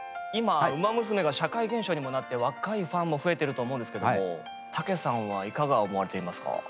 今「ウマ娘」が社会現象にもなって若いファンも増えてると思うんですけども武さんはいかが思われていますか？